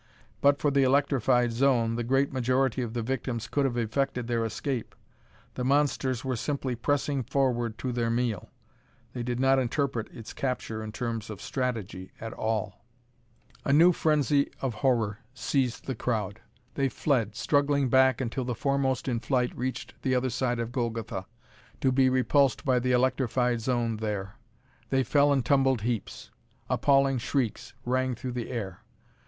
But for the electrified zone, the great majority of the victims could have effected their escape. The monsters were simply pressing forward to their meal; they did not interpret its capture in terms of strategy at all. A new frenzy of horror seized the crowd. They fled, struggling back until the foremost in flight reached the other side of Golgotha, to be repulsed by the electrified zone there. They fell in tumbled heaps. Appalling shrieks rang through the air.